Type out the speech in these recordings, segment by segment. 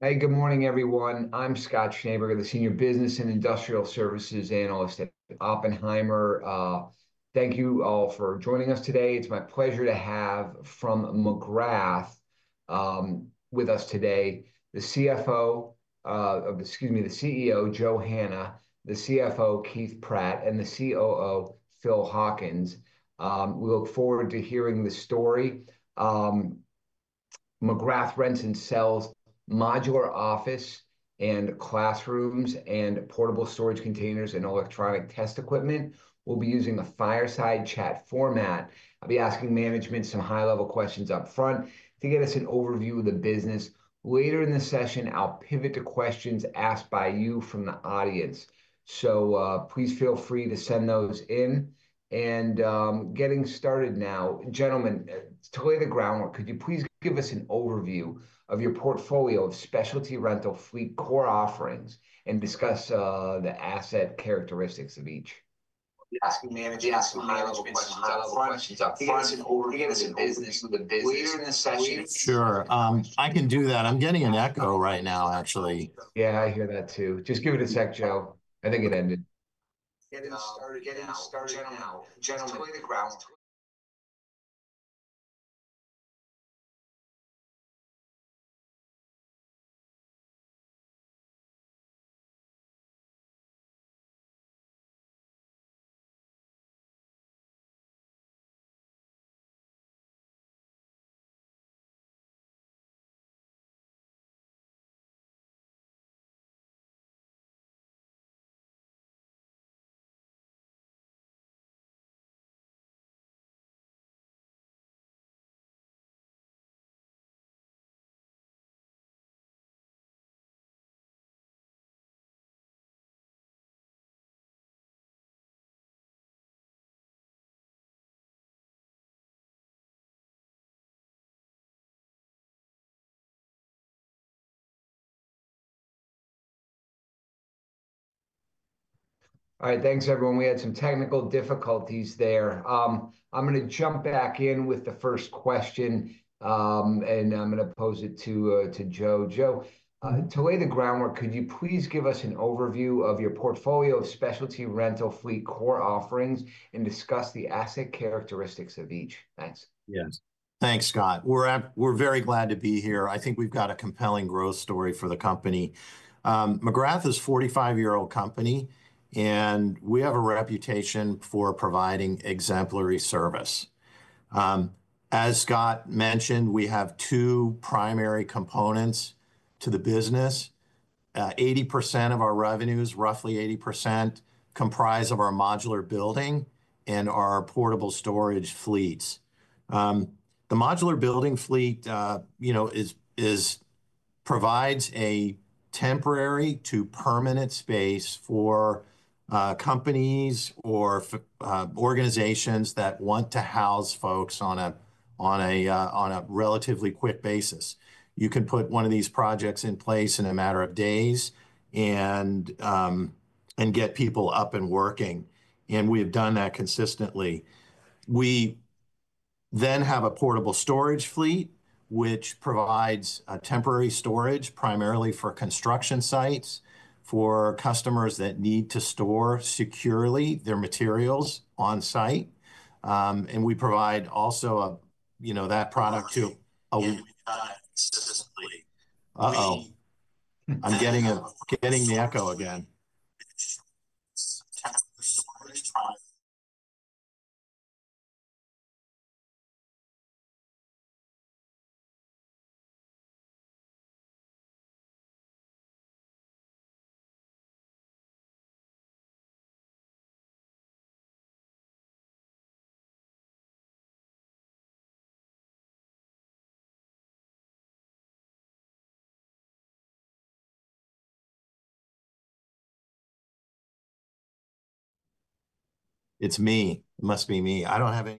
Hey, good morning, everyone. I'm Scott Schneeberger, the Senior Business and Industrial Services Analyst at Oppenheimer. Thank you all for joining us today. It's my pleasure to have from McGrath with us today, the CEO, Joe Hanna, the CFO, Keith Pratt, and the COO, Phil Hawkins. We look forward to hearing the story. McGrath rent and sells modular office and classrooms and portable storage containers and electronic test equipment. We'll be using a fireside chat format. I'll be asking management some high-level questions upfront to get us an overview of the business. Later in the session, I'll pivot to questions asked by you from the audience. Please feel free to send those in. Getting started now, gentlemen, to lay the groundwork, could you please give us an overview of your portfolio of specialty rental fleet core offerings and discuss the asset characteristics of each? Asking manager, asking high-level questions. High-level questions. Asking overviews of business in the business. Later in the session. Sure. I can do that. I'm getting an echo right now, actually. Yeah, I hear that too. Just give it a sec, Joe. I think it ended. Getting started now. Gentlemen, to lay the ground. All right, thanks, everyone. We had some technical difficulties there. I'm going to jump back in with the first question, and I'm going to pose it to Joe. Joe, to lay the groundwork, could you please give us an overview of your portfolio of specialty rental fleet core offerings and discuss the asset characteristics of each? Thanks. Yes. Thanks, Scott. We're very glad to be here. I think we've got a compelling growth story for the company. McGrath is a 45-year-old company, and we have a reputation for providing exemplary service. As Scott mentioned, we have two primary components to the business. 80% of our revenues, roughly 80%, comprise our modular building and our portable storage fleets. The modular building fleet, you know, provides a temporary to permanent space for companies or organizations that want to house folks on a relatively quick basis. You can put one of these projects in place in a matter of days and get people up and working. We have done that consistently. We then have a portable storage fleet, which provides temporary storage primarily for construction sites for customers that need to store securely their materials on site. We provide also that product too. I'm getting the echo again. It's me. It must be me. I don't have any.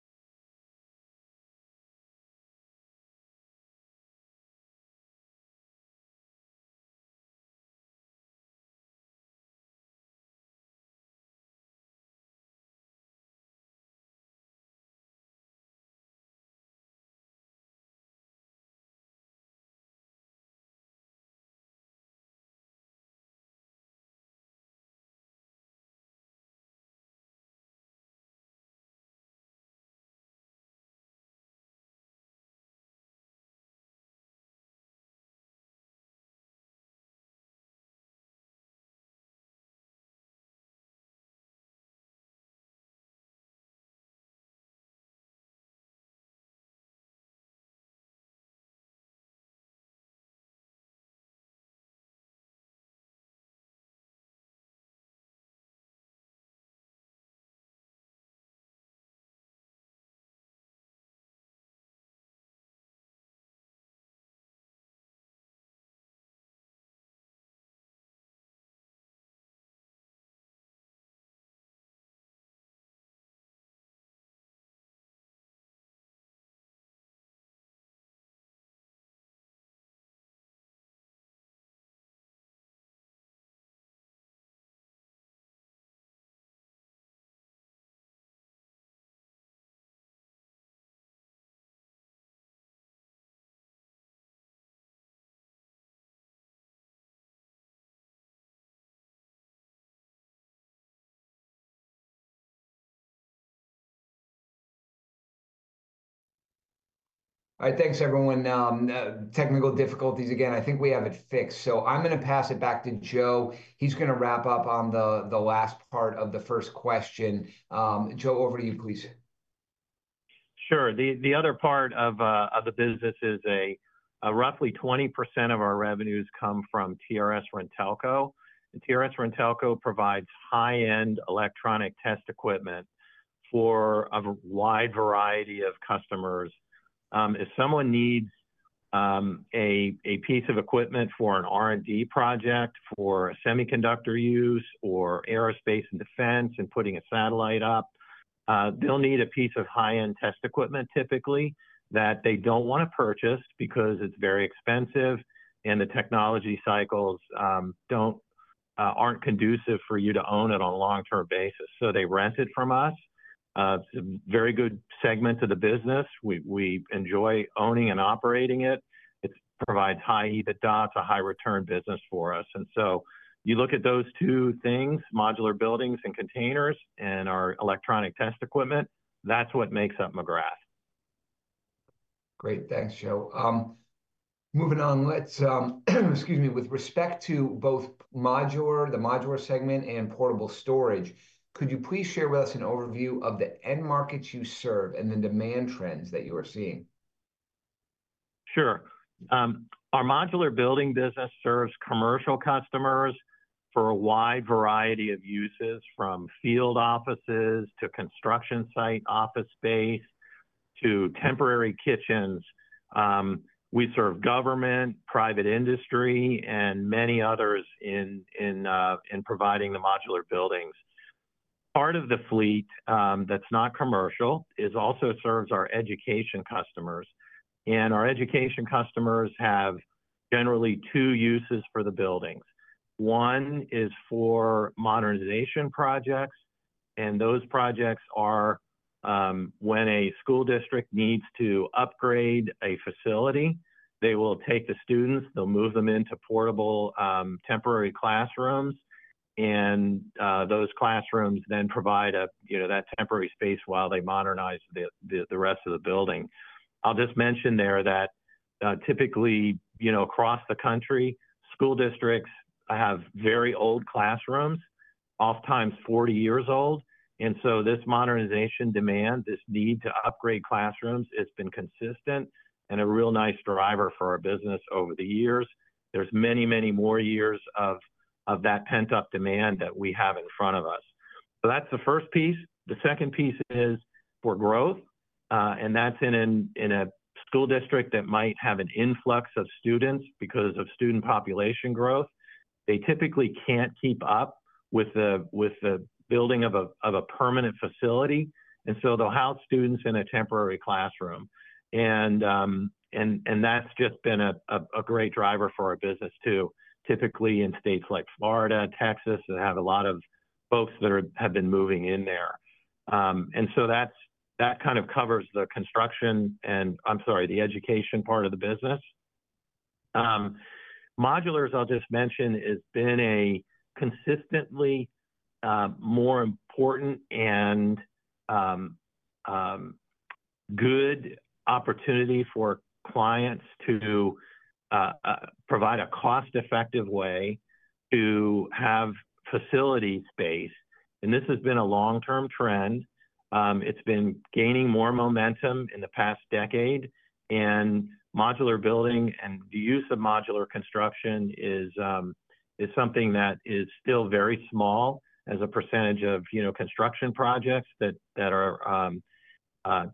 All right, thanks, everyone. Technical difficulties again. I think we have it fixed. I'm going to pass it back to Joe. He's going to wrap up on the last part of the first question. Joe, over to you, please. Sure. The other part of the business is roughly 20% of our revenues come from TRS-RenTelco. TRS-RenTelco provides high-end electronic test equipment for a wide variety of customers. If someone needs a piece of equipment for an R&D project, for semiconductor use or aerospace and defense and putting a satellite up, they'll need a piece of high-end test equipment typically that they don't want to purchase because it's very expensive and the technology cycles aren't conducive for you to own it on a long-term basis. They rent it from us. It's a very good segment of the business. We enjoy owning and operating it. It provides high EBITDA, it's a high-return business for us. You look at those two things, modular buildings and containers and our electronic test equipment, that's what makes up McGrath. Great. Thanks, Joe. Moving on, excuse me, with respect to both the modular segment and portable storage, could you please share with us an overview of the end markets you serve and the demand trends that you are seeing? Sure. Our modular building business serves commercial customers for a wide variety of uses from field offices to construction site office space to temporary kitchens. We serve government, private industry, and many others in providing the modular buildings. Part of the fleet that's not commercial also serves our education customers. Our education customers have generally two uses for the buildings. One is for modernization projects. Those projects are when a school district needs to upgrade a facility, they will take the students, they'll move them into portable temporary classrooms. Those classrooms then provide that temporary space while they modernize the rest of the building. I'll just mention there that typically across the country, school districts have very old classrooms, oftentimes 40 years old. This modernization demand, this need to upgrade classrooms has been consistent and a real nice driver for our business over the years. There's many, many more years of that pent-up demand that we have in front of us. That's the first piece. The second piece is for growth. That's in a school district that might have an influx of students because of student population growth. They typically can't keep up with the building of a permanent facility. They will house students in a temporary classroom. That's just been a great driver for our business too. Typically in states like Florida, Texas, they have a lot of folks that have been moving in there. That kind of covers the construction and, I'm sorry, the education part of the business. Modulars, I'll just mention, has been a consistently more important and good opportunity for clients to provide a cost-effective way to have facility space. This has been a long-term trend. It's been gaining more momentum in the past decade. Modular building and the use of modular construction is something that is still very small as a percentage of construction projects that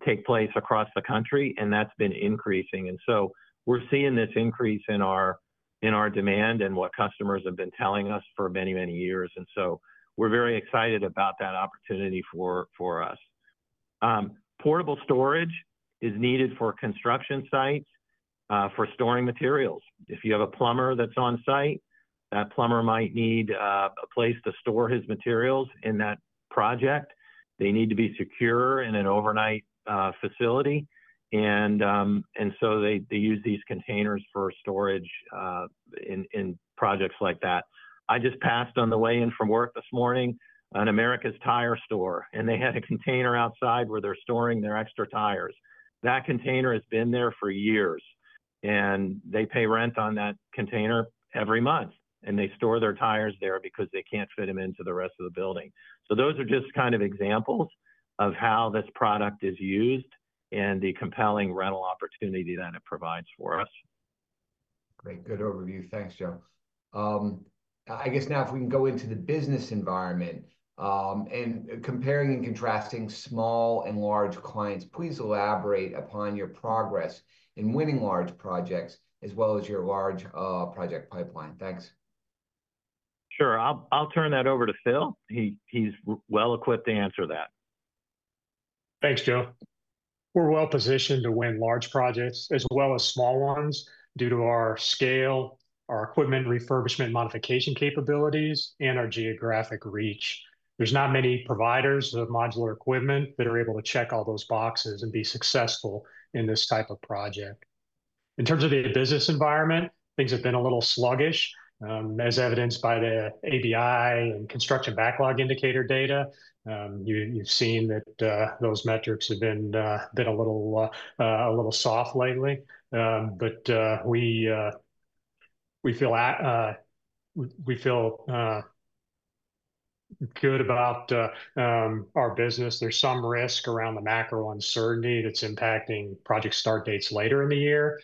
take place across the country. That's been increasing. We're seeing this increase in our demand and what customers have been telling us for many, many years. We're very excited about that opportunity for us. Portable storage is needed for construction sites for storing materials. If you have a plumber that's on site, that plumber might need a place to store his materials in that project. They need to be secure in an overnight facility. They use these containers for storage in projects like that. I just passed on the way in from work this morning an America's Tire store. They had a container outside where they're storing their extra tires. That container has been there for years. They pay rent on that container every month. They store their tires there because they can't fit them into the rest of the building. Those are just kind of examples of how this product is used and the compelling rental opportunity that it provides for us. Great. Good overview. Thanks, Joe. I guess now if we can go into the business environment and comparing and contrasting small and large clients, please elaborate upon your progress in winning large projects as well as your large project pipeline. Thanks. Sure. I'll turn that over to Phil. He's well equipped to answer that. Thanks, Joe. We're well positioned to win large projects as well as small ones due to our scale, our equipment refurbishment modification capabilities, and our geographic reach. There are not many providers of modular equipment that are able to check all those boxes and be successful in this type of project. In terms of the business environment, things have been a little sluggish, as evidenced by the ABI and construction backlog indicator data. You've seen that those metrics have been a little soft lately. We feel good about our business. There is some risk around the macro uncertainty that's impacting project start dates later in the year.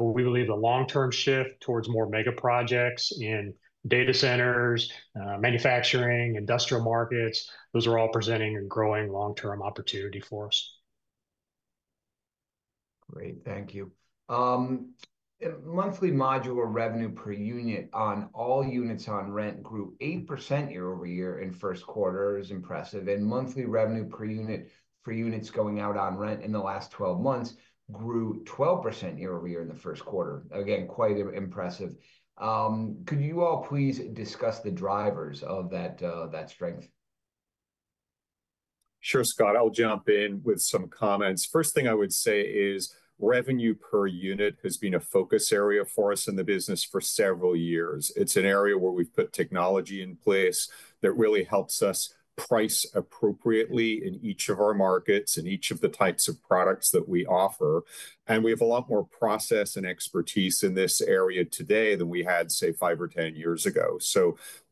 We believe the long-term shift towards more mega projects in data centers, manufacturing, industrial markets, those are all presenting a growing long-term opportunity for us. Great. Thank you. Monthly modular revenue per unit on all units on rent grew 8% year over year in first quarter is impressive. Monthly revenue per unit for units going out on rent in the last 12 months grew 12% year over year in the first quarter. Again, quite impressive. Could you all please discuss the drivers of that strength? Sure, Scott. I'll jump in with some comments. First thing I would say is revenue per unit has been a focus area for us in the business for several years. It's an area where we've put technology in place that really helps us price appropriately in each of our markets and each of the types of products that we offer. We have a lot more process and expertise in this area today than we had, say, five or 10 years ago.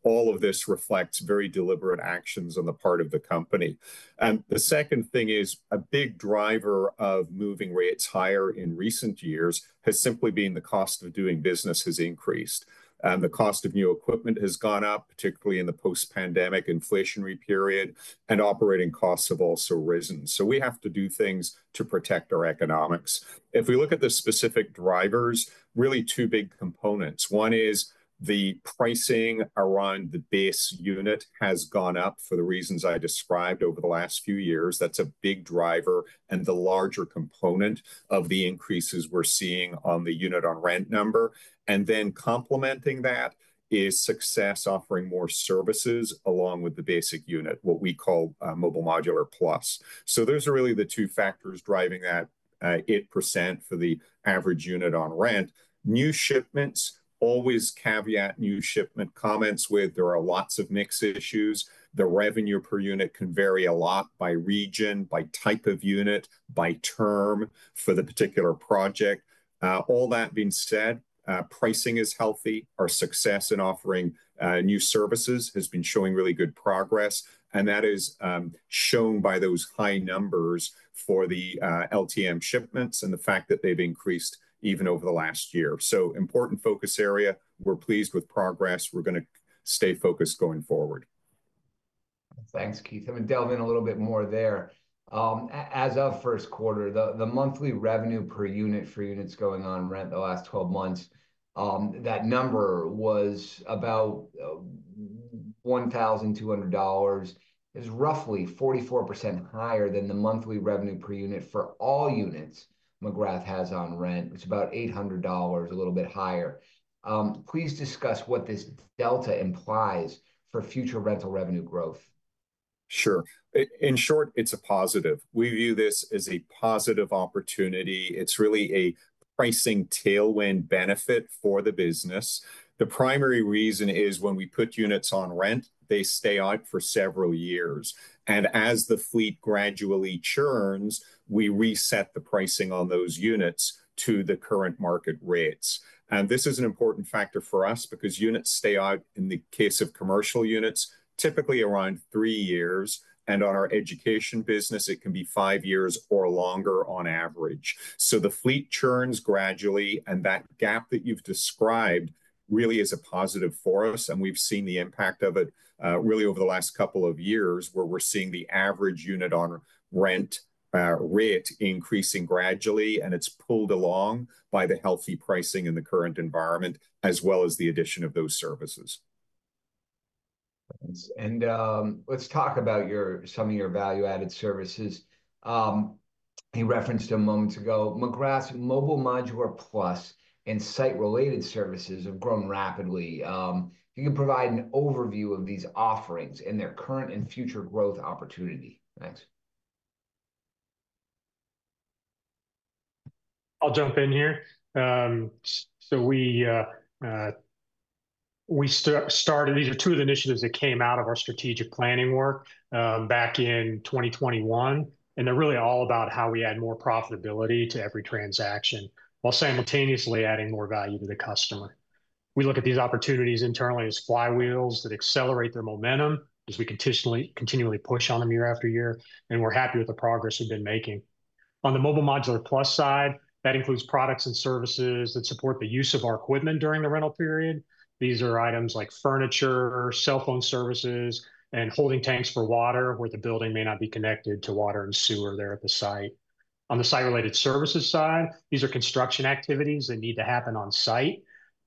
All of this reflects very deliberate actions on the part of the company. The second thing is a big driver of moving rates higher in recent years has simply been the cost of doing business has increased. The cost of new equipment has gone up, particularly in the post-pandemic inflationary period, and operating costs have also risen. We have to do things to protect our economics. If we look at the specific drivers, really two big components. One is the pricing around the base unit has gone up for the reasons I described over the last few years. That is a big driver and the larger component of the increases we are seeing on the unit on rent number. Then complementing that is success offering more services along with the basic unit, what we call mobile modular plus. Those are really the two factors driving that 8% for the average unit on rent. New shipments, always caveat new shipment comments with there are lots of mix issues. The revenue per unit can vary a lot by region, by type of unit, by term for the particular project. All that being said, pricing is healthy. Our success in offering new services has been showing really good progress. That is shown by those high numbers for the LTM shipments and the fact that they've increased even over the last year. Important focus area. We're pleased with progress. We're going to stay focused going forward. Thanks, Keith. I'm going to delve in a little bit more there. As of first quarter, the monthly revenue per unit for units going on rent the last 12 months, that number was about $1,200. It's roughly 44% higher than the monthly revenue per unit for all units McGrath has on rent. It's about $800, a little bit higher. Please discuss what this delta implies for future rental revenue growth. Sure. In short, it's a positive. We view this as a positive opportunity. It's really a pricing tailwind benefit for the business. The primary reason is when we put units on rent, they stay out for several years. As the fleet gradually churns, we reset the pricing on those units to the current market rates. This is an important factor for us because units stay out in the case of commercial units, typically around three years. On our education business, it can be five years or longer on average. The fleet churns gradually. That gap that you've described really is a positive for us. We've seen the impact of it really over the last couple of years where we're seeing the average unit on rent rate increasing gradually. It is pulled along by the healthy pricing in the current environment as well as the addition of those services. Let's talk about some of your value-added services. He referenced a moment ago, McGrath's mobile modular plus and site-related services have grown rapidly. If you can provide an overview of these offerings and their current and future growth opportunity. Thanks. I'll jump in here. We started these as two of the initiatives that came out of our strategic planning work back in 2021. They're really all about how we add more profitability to every transaction while simultaneously adding more value to the customer. We look at these opportunities internally as flywheels that accelerate their momentum as we continually push on them year after year. We're happy with the progress we've been making. On the mobile modular plus side, that includes products and services that support the use of our equipment during the rental period. These are items like furniture, cell phone services, and holding tanks for water where the building may not be connected to water and sewer there at the site. On the site-related services side, these are construction activities that need to happen on site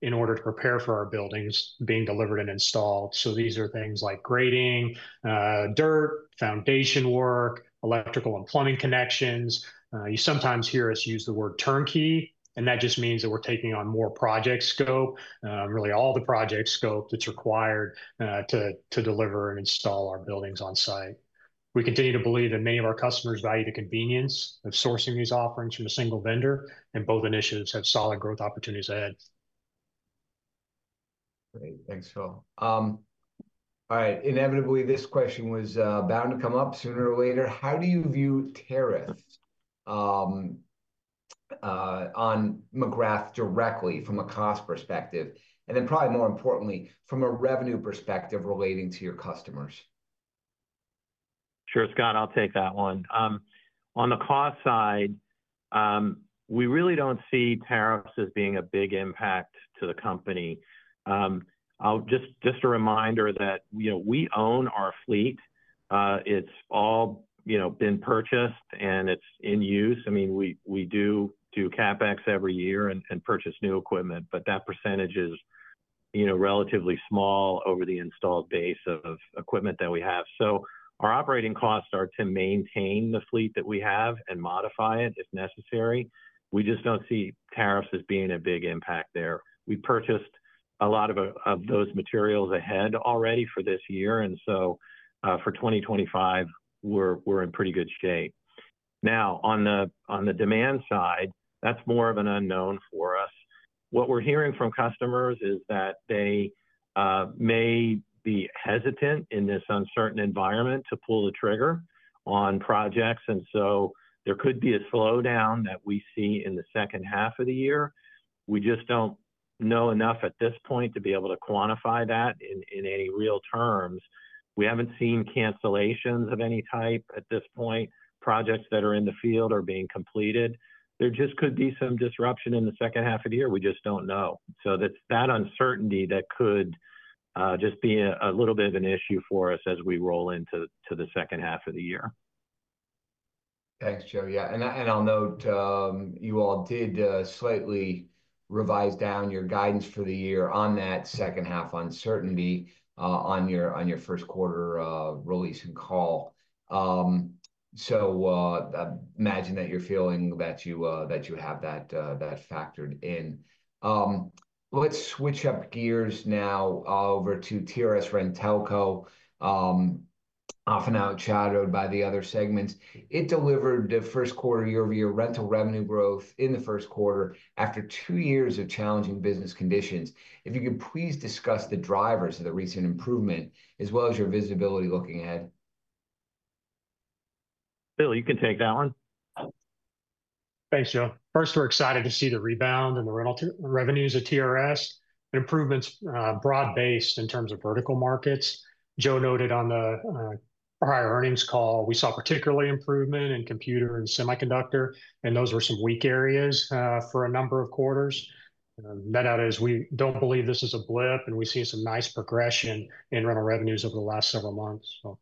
in order to prepare for our buildings being delivered and installed. These are things like grading, dirt, foundation work, electrical and plumbing connections. You sometimes hear us use the word turnkey. That just means that we're taking on more project scope, really all the project scope that's required to deliver and install our buildings on site. We continue to believe that many of our customers value the convenience of sourcing these offerings from a single vendor. Both initiatives have solid growth opportunities ahead. Great. Thanks, Joe. All right. Inevitably, this question was bound to come up sooner or later. How do you view tariffs on McGrath directly from a cost perspective? And then probably more importantly, from a revenue perspective relating to your customers. Sure, Scott. I'll take that one. On the cost side, we really don't see tariffs as being a big impact to the company. Just a reminder that we own our fleet. It's all been purchased and it's in use. I mean, we do CapEx every year and purchase new equipment. That percentage is relatively small over the installed base of equipment that we have. Our operating costs are to maintain the fleet that we have and modify it if necessary. We just don't see tariffs as being a big impact there. We purchased a lot of those materials ahead already for this year. For 2025, we're in pretty good shape. Now, on the demand side, that's more of an unknown for us. What we're hearing from customers is that they may be hesitant in this uncertain environment to pull the trigger on projects. There could be a slowdown that we see in the second half of the year. We just do not know enough at this point to be able to quantify that in any real terms. We have not seen cancellations of any type at this point. Projects that are in the field are being completed. There just could be some disruption in the second half of the year. We just do not know. That is that uncertainty that could just be a little bit of an issue for us as we roll into the second half of the year. Thanks, Joe. Yeah. I'll note you all did slightly revise down your guidance for the year on that second half uncertainty on your first quarter release and call. I imagine that you're feeling that you have that factored in. Let's switch up gears now over to TRS-RenTelco, often outshadowed by the other segments. It delivered the first quarter year-over-year rental revenue growth in the first quarter after two years of challenging business conditions. If you could please discuss the drivers of the recent improvement as well as your visibility looking ahead. Phil, you can take that one. Thanks, Joe. First, we're excited to see the rebound in the rental revenues at TRS and improvements broad-based in terms of vertical markets. Joe noted on the higher earnings call, we saw particularly improvement in computer and semiconductor. And those were some weak areas for a number of quarters. That out is we don't believe this is a blip. And we've seen some nice progression in rental revenues over the last several months. So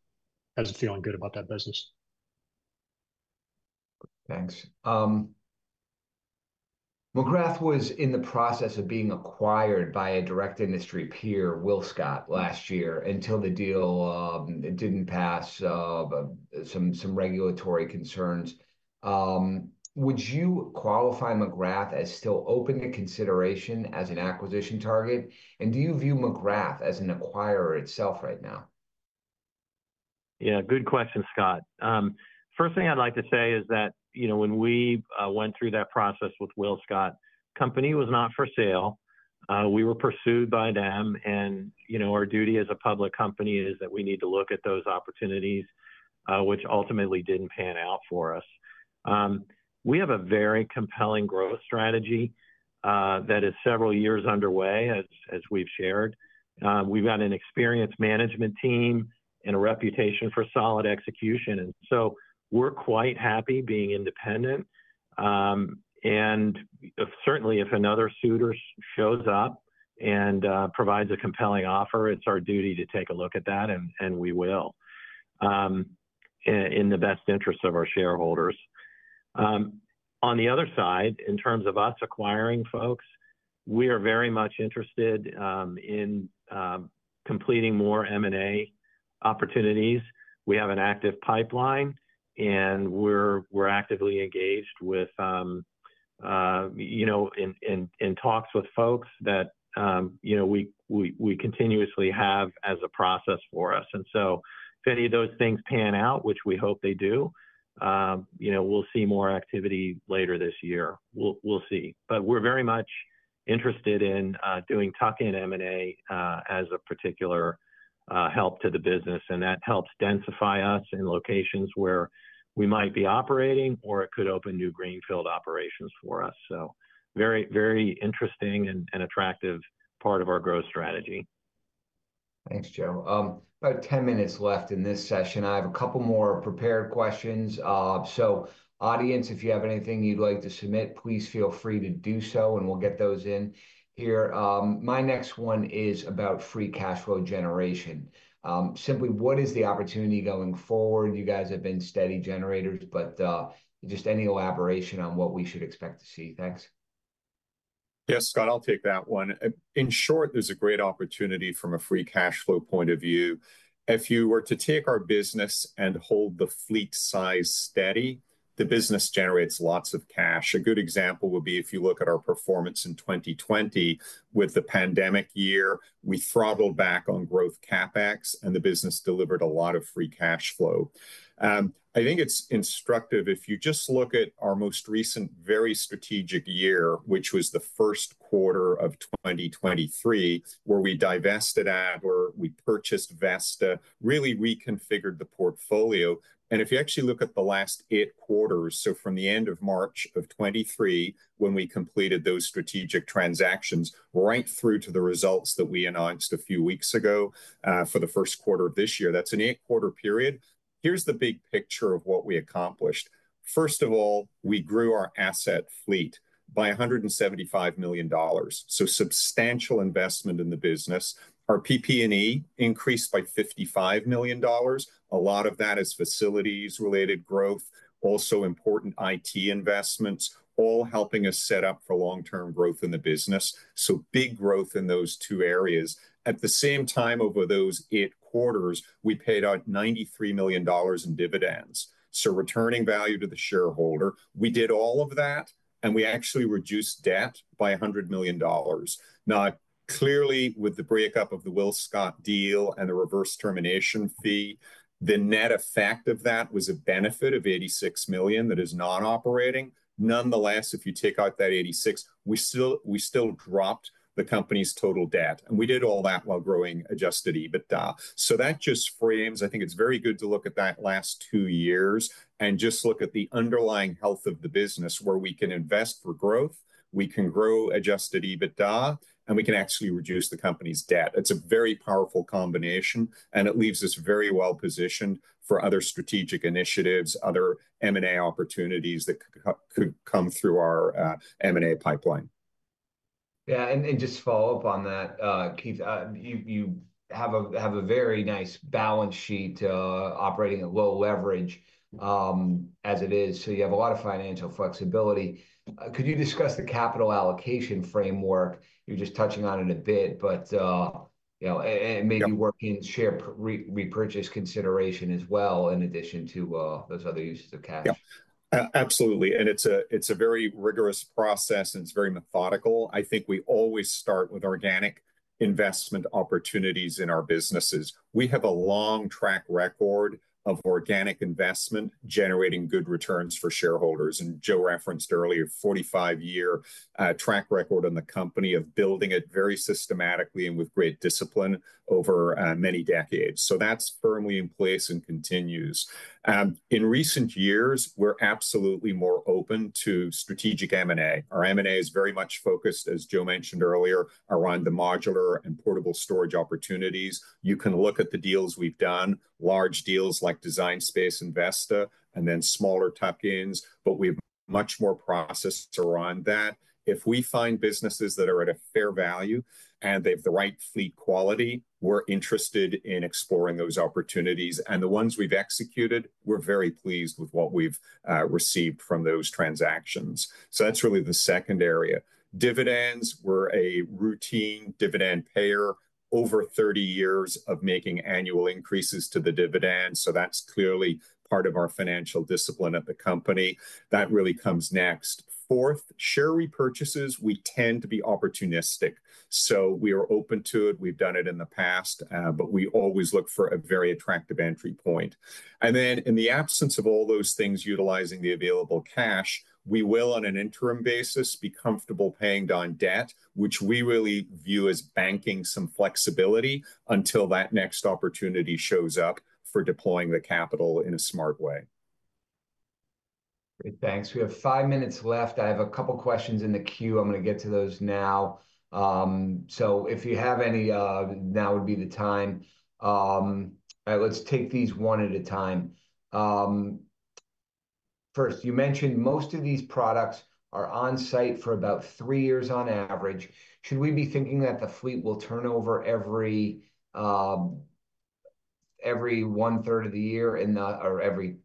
I was feeling good about that business. Thanks. McGrath was in the process of being acquired by a direct industry peer, WillScot, last year until the deal did not pass, some regulatory concerns. Would you qualify McGrath as still open to consideration as an acquisition target? Do you view McGrath as an acquirer itself right now? Yeah. Good question, Scott. First thing I'd like to say is that when we went through that process with WillScot, the company was not for sale. We were pursued by them. Our duty as a public company is that we need to look at those opportunities, which ultimately did not pan out for us. We have a very compelling growth strategy that is several years underway, as we've shared. We've got an experienced management team and a reputation for solid execution. We are quite happy being independent. Certainly, if another suitor shows up and provides a compelling offer, it is our duty to take a look at that. We will in the best interests of our shareholders. On the other side, in terms of us acquiring folks, we are very much interested in completing more M&A opportunities. We have an active pipeline. We are actively engaged in talks with folks that we continuously have as a process for us. If any of those things pan out, which we hope they do, we will see more activity later this year. We will see. We are very much interested in doing tuck-in M&A as a particular help to the business. That helps densify us in locations where we might be operating or it could open new greenfield operations for us. Very, very interesting and attractive part of our growth strategy. Thanks, Joe. About 10 minutes left in this session. I have a couple more prepared questions. Audience, if you have anything you'd like to submit, please feel free to do so. We'll get those in here. My next one is about free cash flow generation. Simply, what is the opportunity going forward? You guys have been steady generators, but just any elaboration on what we should expect to see. Thanks. Yes, Scott, I'll take that one. In short, there's a great opportunity from a free cash flow point of view. If you were to take our business and hold the fleet size steady, the business generates lots of cash. A good example would be if you look at our performance in 2020 with the pandemic year, we throttled back on growth CapEx, and the business delivered a lot of free cash flow. I think it's instructive if you just look at our most recent very strategic year, which was the first quarter of 2023, where we divested Adler, we purchased Vesta, really reconfigured the portfolio. If you actually look at the last eight quarters, from the end of March of 2023, when we completed those strategic transactions right through to the results that we announced a few weeks ago for the first quarter of this year, that is an eight-quarter period. Here is the big picture of what we accomplished. First of all, we grew our asset fleet by $175 million. Substantial investment in the business. Our PP&E increased by $55 million. A lot of that is facilities-related growth, also important IT investments, all helping us set up for long-term growth in the business. Big growth in those two areas. At the same time, over those eight quarters, we paid out $93 million in dividends. Returning value to the shareholder. We did all of that, and we actually reduced debt by $100 million. Now, clearly, with the breakup of the WillScot deal and the reverse termination fee, the net effect of that was a benefit of $86 million that is non-operating. Nonetheless, if you take out that $86 million, we still dropped the company's total debt. We did all that while growing adjusted EBITDA. That just frames, I think it's very good to look at that last two years and just look at the underlying health of the business where we can invest for growth, we can grow adjusted EBITDA, and we can actually reduce the company's debt. It's a very powerful combination. It leaves us very well positioned for other strategic initiatives, other M&A opportunities that could come through our M&A pipeline. Yeah. And just follow up on that, Keith. You have a very nice balance sheet operating at low leverage as it is. You have a lot of financial flexibility. Could you discuss the capital allocation framework? You're just touching on it a bit, but it may be working share repurchase consideration as well in addition to those other uses of cash. Yeah. Absolutely. It is a very rigorous process. It is very methodical. I think we always start with organic investment opportunities in our businesses. We have a long track record of organic investment generating good returns for shareholders. Joe referenced earlier a 45-year track record in the company of building it very systematically and with great discipline over many decades. That is firmly in place and continues. In recent years, we are absolutely more open to strategic M&A. Our M&A is very much focused, as Joe mentioned earlier, around the modular and portable storage opportunities. You can look at the deals we have done, large deals like Design Space and Vesta, and then smaller tuck-ins. We have much more process around that. If we find businesses that are at a fair value and they have the right fleet quality, we are interested in exploring those opportunities. The ones we've executed, we're very pleased with what we've received from those transactions. That's really the second area. Dividends. We're a routine dividend payer, over 30 years of making annual increases to the dividend. That's clearly part of our financial discipline at the company. That really comes next. Fourth, share repurchases. We tend to be opportunistic. We are open to it. We've done it in the past. We always look for a very attractive entry point. In the absence of all those things utilizing the available cash, we will, on an interim basis, be comfortable paying down debt, which we really view as banking some flexibility until that next opportunity shows up for deploying the capital in a smart way. Great. Thanks. We have five minutes left. I have a couple of questions in the queue. I'm going to get to those now. If you have any, now would be the time. All right. Let's take these one at a time. First, you mentioned most of these products are on site for about three years on average. Should we be thinking that the fleet will turn over every one-third of the year or every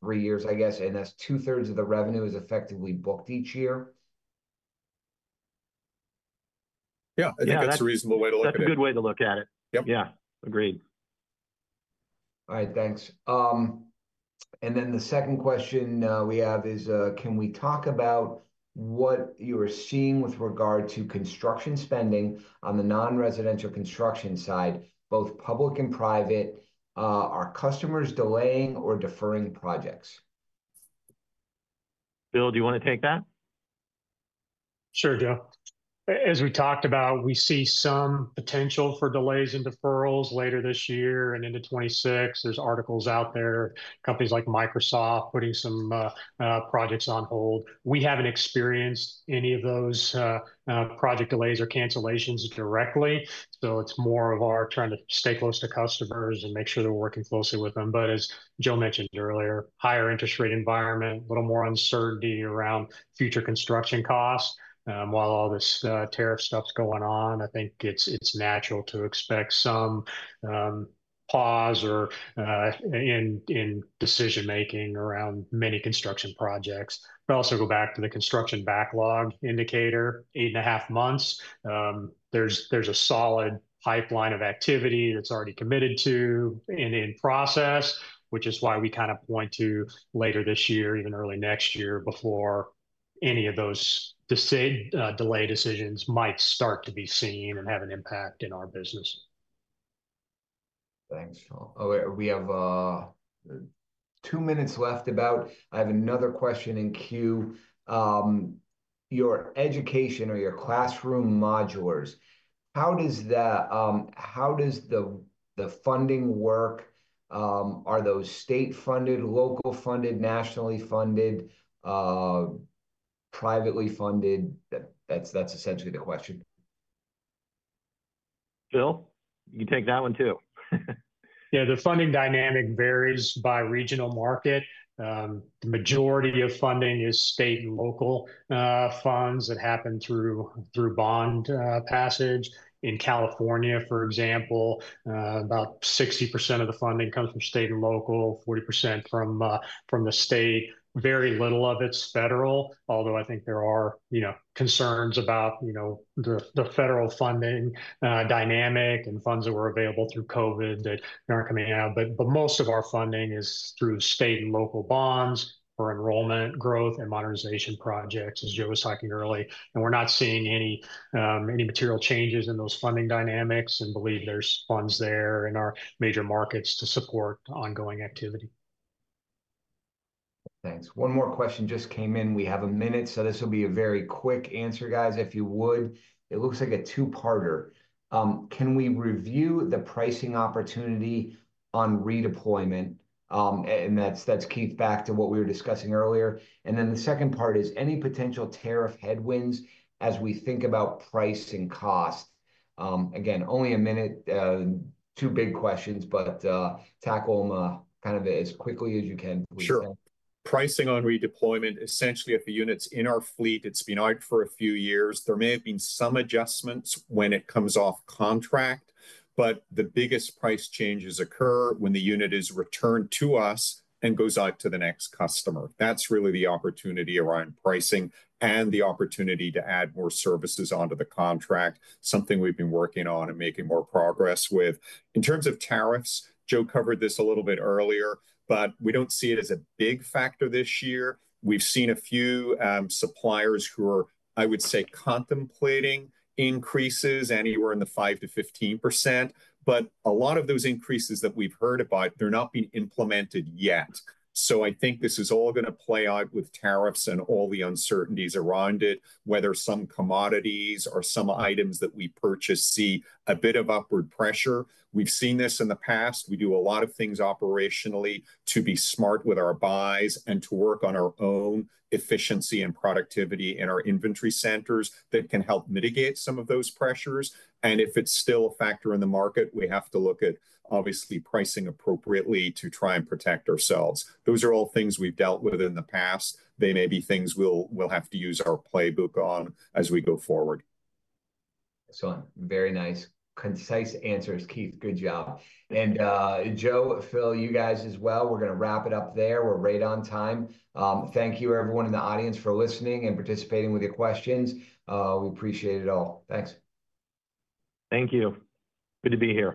three years, I guess, and that's 2/3 of the revenue is effectively booked each year? Yeah. I think that's a reasonable way to look at it. That's a good way to look at it. Yep. Yeah. Agreed. All right. Thanks. The second question we have is, can we talk about what you are seeing with regard to construction spending on the non-residential construction side, both public and private? Are customers delaying or deferring projects? Phil, do you want to take that? Sure, Joe. As we talked about, we see some potential for delays and deferrals later this year and into 2026. There are articles out there, companies like Microsoft putting some projects on hold. We have not experienced any of those project delays or cancellations directly. It is more of our trying to stay close to customers and make sure that we are working closely with them. As Joe mentioned earlier, higher interest rate environment, a little more uncertainty around future construction costs. While all this tariff stuff is going on, I think it is natural to expect some pause in decision-making around many construction projects. Also, go back to the construction backlog indicator, eight and a half months. There's a solid pipeline of activity that's already committed to and in process, which is why we kind of point to later this year, even early next year, before any of those delay decisions might start to be seen and have an impact in our business. Thanks. We have two minutes left about, I have another question in queue. Your education or your classroom modulars, how does the funding work? Are those state-funded, local-funded, nationally funded, privately funded? That's essentially the question. Phil, you can take that one too. Yeah. The funding dynamic varies by regional market. The majority of funding is state and local funds that happen through bond passage. In California, for example, about 60% of the funding comes from state and local, 40% from the state. Very little of it's federal, although I think there are concerns about the federal funding dynamic and funds that were available through COVID that aren't coming out. Most of our funding is through state and local bonds for enrollment, growth, and modernization projects, as Joe was talking earlier. We're not seeing any material changes in those funding dynamics. I believe there's funds there in our major markets to support ongoing activity. Thanks. One more question just came in. We have a minute. This will be a very quick answer, guys, if you would. It looks like a two-parter. Can we review the pricing opportunity on redeployment? That is key back to what we were discussing earlier. The second part is any potential tariff headwinds as we think about price and cost? Again, only a minute. Two big questions, but tackle them kind of as quickly as you can. Sure. Pricing on redeployment, essentially, if the unit's in our fleet, it's been out for a few years. There may have been some adjustments when it comes off contract. The biggest price changes occur when the unit is returned to us and goes out to the next customer. That's really the opportunity around pricing and the opportunity to add more services onto the contract, something we've been working on and making more progress with. In terms of tariffs, Joe covered this a little bit earlier, but we don't see it as a big factor this year. We've seen a few suppliers who are, I would say, contemplating increases anywhere in the 5-15% range. A lot of those increases that we've heard about, they're not being implemented yet. I think this is all going to play out with tariffs and all the uncertainties around it, whether some commodities or some items that we purchase see a bit of upward pressure. We've seen this in the past. We do a lot of things operationally to be smart with our buys and to work on our own efficiency and productivity in our inventory centers that can help mitigate some of those pressures. If it's still a factor in the market, we have to look at, obviously, pricing appropriately to try and protect ourselves. Those are all things we've dealt with in the past. They may be things we'll have to use our playbook on as we go forward. Excellent. Very nice, concise answers, Keith. Good job. And Joe, Phil, you guys as well. We're going to wrap it up there. We're right on time. Thank you, everyone in the audience, for listening and participating with your questions. We appreciate it all. Thanks. Thank you. Good to be here.